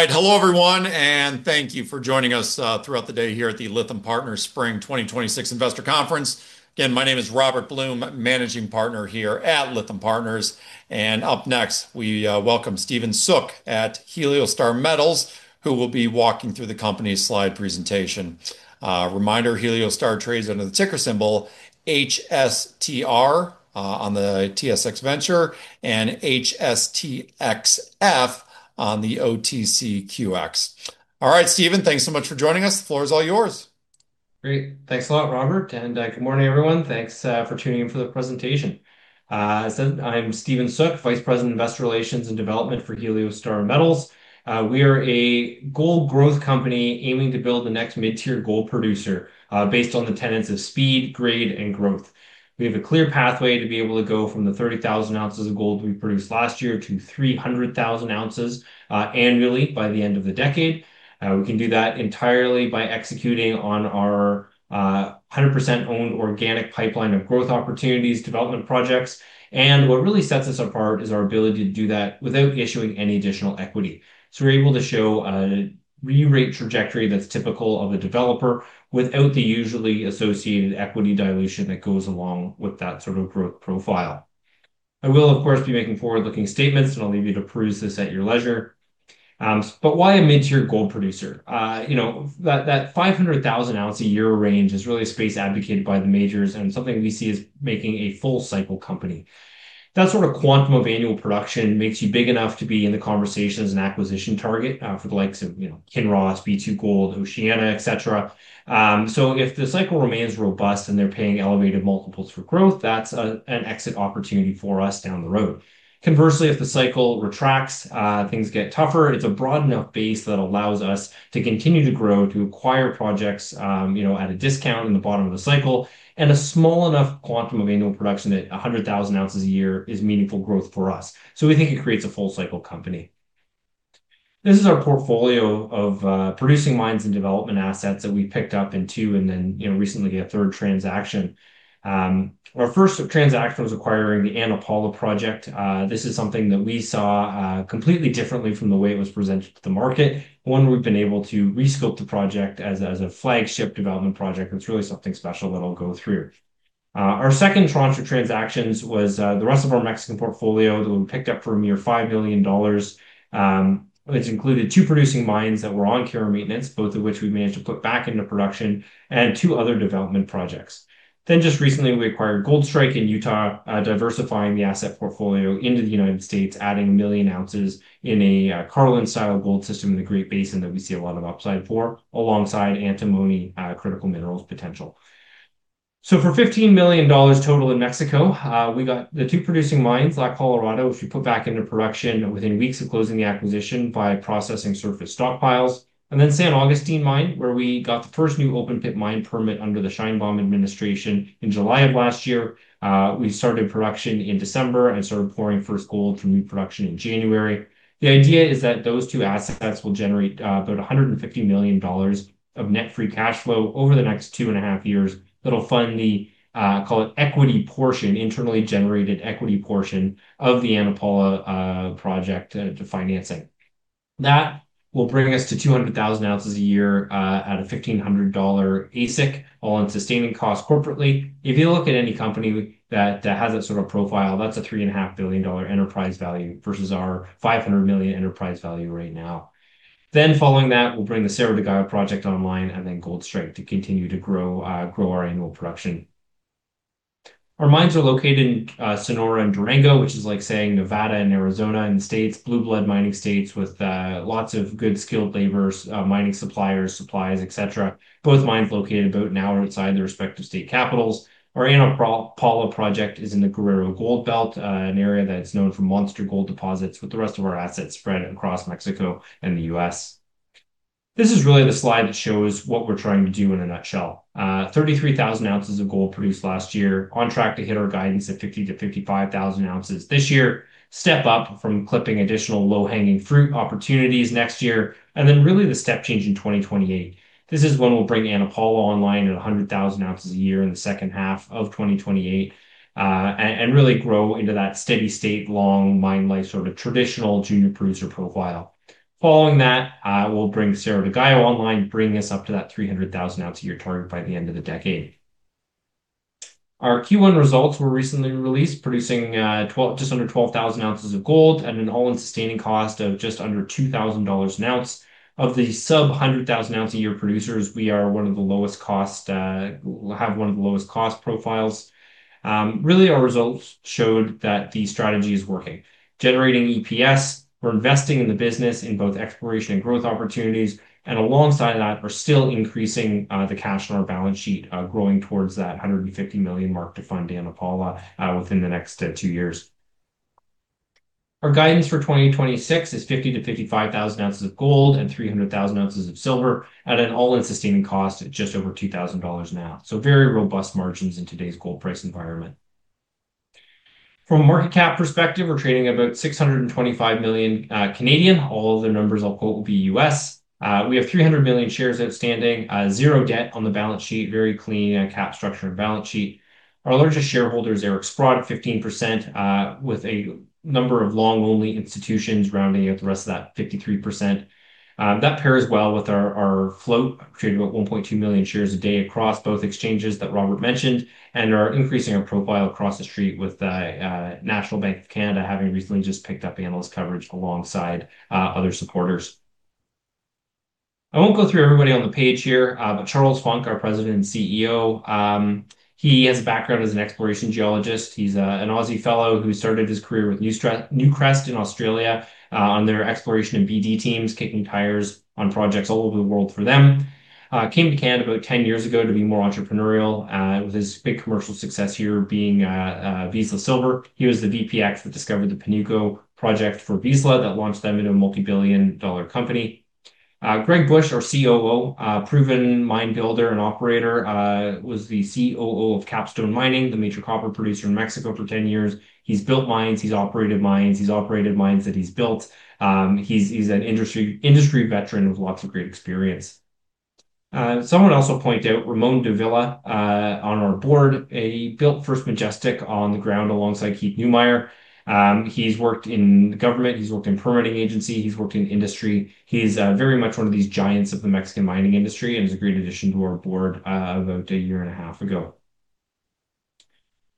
All right. Hello, everyone, thank you for joining us throughout the day here at the Lytham Partners Spring 2026 Investor Conference. Again, my name is Robert Blum, managing partner here at Lytham Partners. Up next, we welcome Stephen Soock at Heliostar Metals, who will be walking through the company's slide presentation. A reminder, Heliostar trades under the ticker symbol HSTR on the TSX Venture and HSTXF on the OTCQX. All right, Stephen, thanks so much for joining us. The floor is all yours. Great. Thanks a lot, Robert, and good morning, everyone. Thanks for tuning in for the presentation. As I said, I'm Stephen Soock, Vice President of Investor Relations and Development for Heliostar Metals. We are a gold growth company aiming to build the next mid-tier gold producer based on the tenets of speed, grade, and growth. We have a clear pathway to be able to go from the 30,000 oz of gold we produced last year to 300,000 oz annually by the end of the decade. We can do that entirely by executing on our 100% owned organic pipeline of growth opportunities, development projects. What really sets us apart is our ability to do that without issuing any additional equity. We're able to show a rerate trajectory that's typical of a developer without the usually associated equity dilution that goes along with that sort of growth profile. I will, of course, be making forward-looking statements, and I'll leave you to peruse this at your leisure. Why a mid-tier gold producer? That 500,000 oz-a-year range is really a space advocated by the majors and something we see as making a full cycle company. That sort of quantum of annual production makes you big enough to be in the conversation as an acquisition target for the likes of Kinross, B2Gold, Oceana, et cetera. If the cycle remains robust and they're paying elevated multiples for growth, that's an exit opportunity for us down the road. Conversely, if the cycle retracts, things get tougher. It's a broad enough base that allows us to continue to grow, to acquire projects at a discount in the bottom of the cycle, and a small enough quantum of annual production at 100,000 oz a year is meaningful growth for us. We think it creates a full cycle company. This is our portfolio of producing mines and development assets that we picked up in two and then recently a third transaction. Our first transaction was acquiring the Ana Paula Project. This is something that we saw completely differently from the way it was presented to the market. One we've been able to rescope the project as a flagship development project that's really something special that I'll go through. Our second tranche of transactions was the rest of our Mexican portfolio that we picked up for a mere $5 million. Which included two producing mines that were on care and maintenance, both of which we managed to put back into production, and two other development projects. Just recently, we acquired Goldstrike in Utah, diversifying the asset portfolio into the United States, adding 1,000,000 oz in a Carlin-style gold system in the Great Basin that we see a lot of upside for, alongside antimony critical minerals potential. For $15 million total in Mexico, we got the two producing mines, La Colorada, which we put back into production within weeks of closing the acquisition by processing surface stockpiles. San Agustin mine, where we got the first new open-pit mine permit under the Sheinbaum administration in July of last year. We started production in December and started pouring first gold from new production in January. The idea is that those two assets will generate about $150 million of net free cash flow over the next two and a half years that'll fund the, call it, equity portion, internally generated equity portion of the Ana Paula project to financing. That will bring us to 200,000 oz a year at a $1,500 AISC, all-in sustaining cost corporately. If you look at any company that has that sort of profile, that's a three and a half billion dollar enterprise value versus our $500 million enterprise value right now. Following that, we'll bring the Cerro del Gallo project online and then Goldstrike to continue to grow our annual production. Our mines are located in Sonora and Durango, which is like saying Nevada and Arizona in the States, blue blood mining states with lots of good skilled laborers, mining suppliers, supplies, et cetera. Both mines located about an hour outside their respective state capitals. Our Ana Paula project is in the Guerrero Gold Belt, an area that's known for monster gold deposits, with the rest of our assets spread across Mexico and the U.S. This is really the slide that shows what we're trying to do in a nutshell. 33,000 oz of gold produced last year, on track to hit our guidance of 50,000 oz-55,000 oz this year. Step up from clipping additional low-hanging fruit opportunities next year, and then really the step change in 2028. This is when we'll bring Ana Paula online at 100,000 oz a year in the second half of 2028, and really grow into that steady state long mine life, sort of traditional junior producer profile. Following that, we'll bring Cerro del Gallo online, bringing us up to that 300,000 oz-a-year target by the end of the decade. Our Q1 results were recently released, producing just under 12,000 oz of gold at an all-in sustaining cost of just under $2,000 an ounce. Of the sub 100,000 oz-a-year producers, we have one of the lowest cost profiles. Really, our results showed that the strategy is working. Generating EPS, we're investing in the business in both exploration and growth opportunities, and alongside that, we're still increasing the cash on our balance sheet, growing towards that $150 million mark to fund Ana Paula within the next two years. Our guidance for 2026 is 50,000 oz-55,000 oz of gold and 300,000 oz of silver at an all-in sustaining cost at just over $2,000 an ounce. Very robust margins in today's gold price environment. From a market cap perspective, we're trading about 625 million. All of the numbers I'll quote will be U.S. We have 300 million shares outstanding, zero debt on the balance sheet, very clean cap structure and balance sheet. Our largest shareholder is Eric Sprott at 15%, with a number of long-only institutions rounding out the rest of that 53%. That pairs well with our float, trading about 1.2 million shares a day across both exchanges that Robert mentioned, and are increasing our profile across the street with National Bank of Canada having recently just picked up analyst coverage alongside other supporters. I won't go through everybody on the page here. Charles Funk, our President and CEO, he has a background as an exploration geologist. He's an Aussie fellow who started his career with Newcrest in Australia, on their exploration and BD teams, kicking tires on projects all over the world for them. Came to Canada about 10 years ago to be more entrepreneurial, with his big commercial success here being Vizsla Silver. He was the VP Ex that discovered the Panuco project for Vizsla that launched them into a multi-billion dollar company. Gregg Bush, our COO, a proven mine builder and operator, was the COO of Capstone Mining, the major copper producer in Mexico for 10 years. He's built mines, he's operated mines, he's operated mines that he's built. He's an industry veteran with lots of great experience. Someone I also point out, Ramon Dávila, on our board. He built First Majestic on the ground alongside Keith Neumeyer. He's worked in government, he's worked in permitting agency, he's worked in industry. He's very much one of these giants of the Mexican mining industry and was a great addition to our board about a year and a half ago.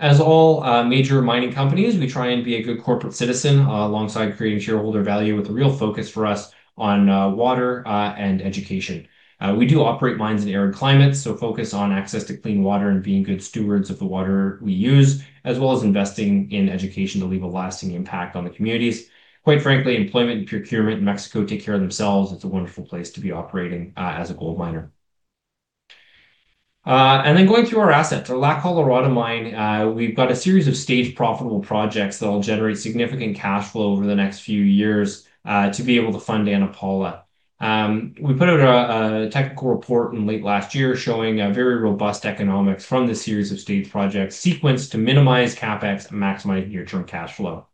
As all major mining companies, we try and be a good corporate citizen, alongside creating shareholder value with a real focus for us on water and education. We do operate mines in arid climates, so focus on access to clean water and being good stewards of the water we use, as well as investing in education to leave a lasting impact on the communities. Quite frankly, employment and procurement in Mexico take care of themselves. It's a wonderful place to be operating as a gold miner. Going through our asset, the La Colorada mine. We've got a series of staged profitable projects that'll generate significant cash flow over the next few years, to be able to fund Ana Paula. We put out a technical report in late last year showing very robust economics from this series of staged projects sequenced to minimize CapEx and maximize near-term cash flow.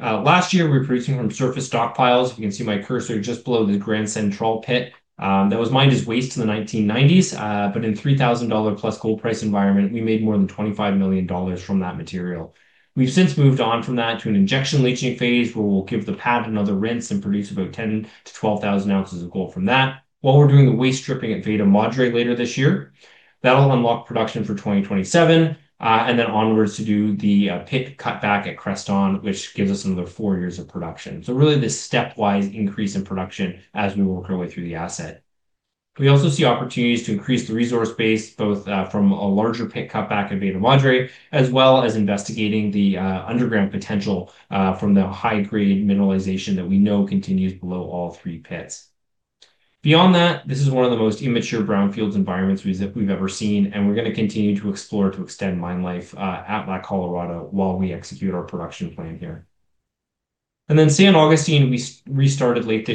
Last year, we were producing from surface stockpiles. You can see my cursor just below the Gran Central pit. That was mined as waste in the 1990s, but in a $3,000+ gold price environment, we made more than $25 million from that material. We've since moved on from that to an injection leaching phase, where we'll give the pad another rinse and produce about 10,000 oz-12,000 oz of gold from that, while we're doing the waste stripping at Veta Madre later this year. That'll unlock production for 2027, and then onwards to do the pit cutback at Creston, which gives us another four years of production. Really this stepwise increase in production as we work our way through the asset. We also see opportunities to increase the resource base, both from a larger pit cutback at Veta Madre, as well as investigating the underground potential from the high-grade mineralization that we know continues below all three pits. This is one of the most immature brownfields environments we've ever seen, and we're going to continue to explore to extend mine life at La Colorada while we execute our production plan here. San Agustin, we restarted late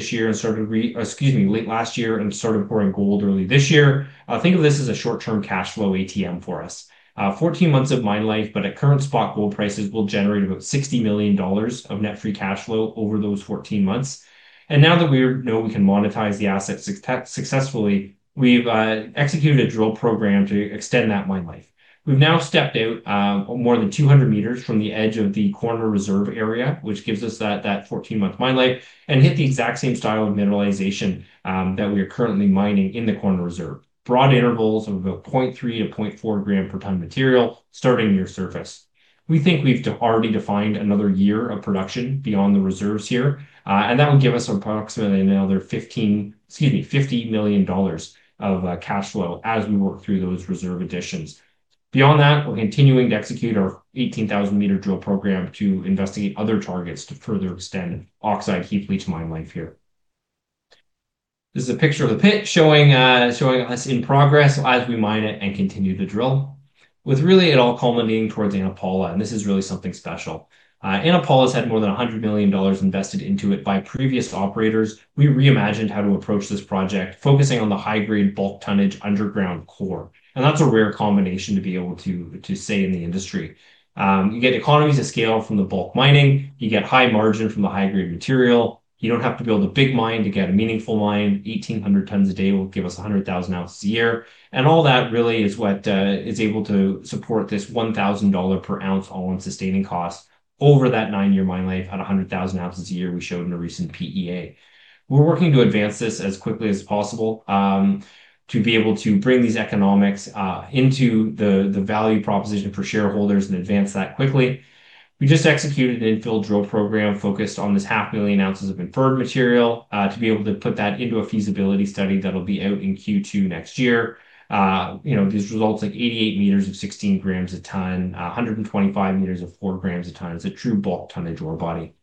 last year and started pouring gold early this year. Think of this as a short-term cash flow ATM for us. 14 months of mine life, at current spot gold prices, we'll generate about $60 million of net free cash flow over those 14 months. Now that we know we can monetize the asset successfully, we've executed a drill program to extend that mine life. We've now stepped out more than 200 m from the edge of the current reserve area, which gives us that 14-month mine life, and hit the exact same style of mineralization that we are currently mining in the corner reserve. Broad intervals of about 0.3 g-0.4 g/ton material starting near surface. We think we've already defined another year of production beyond the reserves here. That will give us approximately another $50 million of cash flow as we work through those reserve additions. Beyond that, we're continuing to execute our 18,000-m drill program to investigate other targets to further extend oxide heap leach mine life here. This is a picture of the pit showing us in progress as we mine it and continue to drill. With really it all culminating towards Ana Paula, this is really something special. Ana Paula's had more than $100 million invested into it by previous operators. We reimagined how to approach this project, focusing on the high-grade bulk tonnage underground core, and that's a rare combination to be able to say in the industry. You get economies of scale from the bulk mining, you get high margin from the high-grade material. You don't have to build a big mine to get a meaningful mine. 1,800 tons a day will give us 100,000 oz a year. All that really is what is able to support this $1,000/oz all-in sustaining cost over that nine-year mine life at 100,000 oz a year we showed in a recent PEA. We're working to advance this as quickly as possible, to be able to bring these economics into the value proposition for shareholders and advance that quickly. We just executed an infill drill program focused on this half million ounces of inferred material, to be able to put that into a feasibility study that'll be out in Q2 next year. These results like 88 m of 16 g a ton, 125 m of 4 g a ton. It's a true bulk tonnage ore body.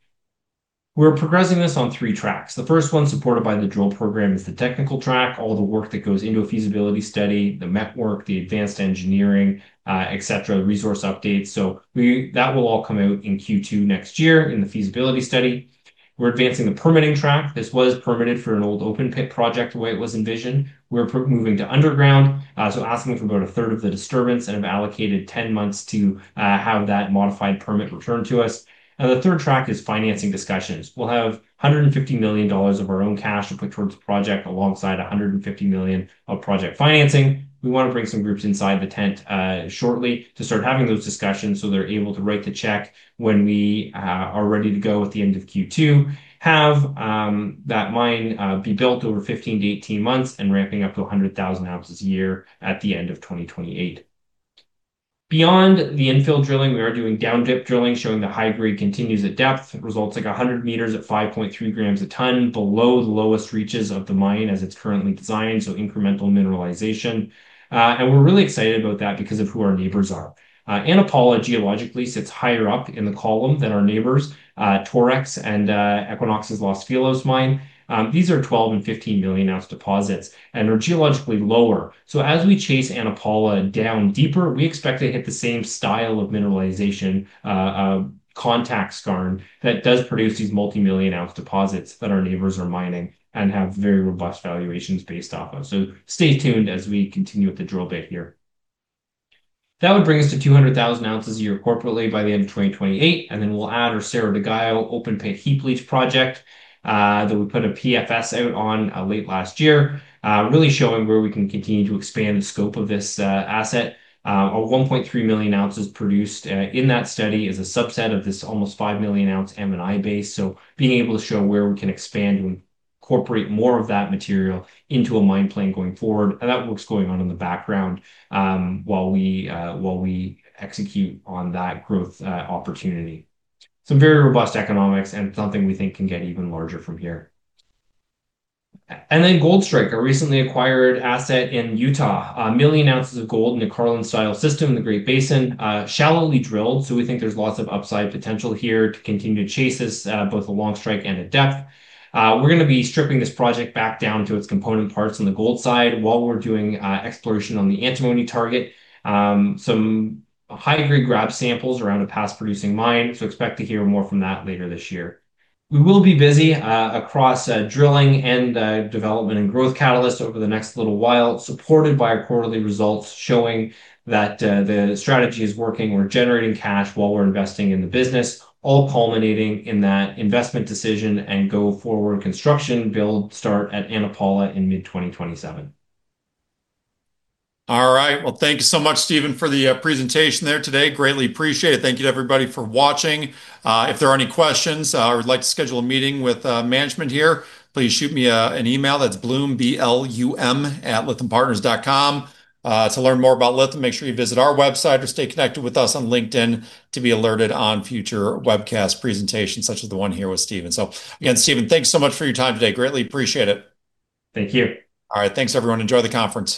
We're progressing this on three tracks. The first one supported by the drill program is the technical track, all the work that goes into a feasibility study, the met work, the advanced engineering, et cetera, resource updates. That will all come out in Q2 next year in the feasibility study. We're advancing the permitting track. This was permitted for an old open pit project the way it was envisioned. We're moving to underground, so asking for about a third of the disturbance and have allocated 10 months to have that modified permit returned to us. The third track is financing discussions. We'll have $150 million of our own cash to put towards the project alongside $150 million of project financing. We want to bring some groups inside the tent shortly to start having those discussions so they're able to write the check when we are ready to go at the end of Q2. Have that mine be built over 15-18 months and ramping up to 100,000 oz a year at the end of 2028. Beyond the infill drilling, we are doing down-dip drilling, showing the high grade continues at depth. Results like 100 m at 5.3 g a ton below the lowest reaches of the mine as it's currently designed, incremental mineralization. We're really excited about that because of who our neighbors are. Ana Paula geologically sits higher up in the column than our neighbors, Torex and Equinox Gold's Los Filos mine. These are 12,000,000 oz and 15,000,000 oz deposits and are geologically lower. As we chase Ana Paula down deeper, we expect to hit the same style of mineralization, a contact skarn that does produce these multimillion-ounce deposits that our neighbors are mining and have very robust valuations based off of. Stay tuned as we continue with the drill bit here. That would bring us to 200,000 oz a year corporately by the end of 2028, and then we'll add our Cerro del Gallo open pit heap leach project, that we put a PFS out on late last year, really showing where we can continue to expand the scope of this asset. 1,300,000 oz produced in that study is a subset of this almost 5,000,000 oz M&I base. Being able to show where we can expand and incorporate more of that material into a mine plan going forward, and that work's going on in the background, while we execute on that growth opportunity. Some very robust economics and something we think can get even larger from here. Goldstrike, a recently acquired asset in Utah. 1,000,000 oz of gold in a Carlin-style system in the Great Basin, shallowly drilled. We think there's lots of upside potential here to continue to chase this, both along strike and at depth. We're going to be stripping this project back down to its component parts on the gold side while we're doing exploration on the antimony target. Some high-grade grab samples around a past producing mine. Expect to hear more from that later this year. We will be busy across drilling and development and growth catalysts over the next little while, supported by our quarterly results showing that the strategy is working. We're generating cash while we're investing in the business, all culminating in that investment decision and go-forward construction build start at Ana Paula in mid-2027. All right. Well, thank you so much, Stephen, for the presentation there today. Greatly appreciate it. Thank you to everybody for watching. If there are any questions or would like to schedule a meeting with management here, please shoot me an email. That's Blum, B-L-U-M, @lythampartners.com. To learn more about Lytham, make sure you visit our website or stay connected with us on LinkedIn to be alerted on future webcast presentations such as the one here with Stephen. Again, Stephen, thanks so much for your time today. Greatly appreciate it. Thank you. All right. Thanks everyone. Enjoy the conference.